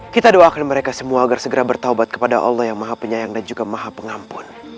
kita doakan mereka semua agar segera bertaubat kepada allah yang maha penyayang dan juga maha pengampun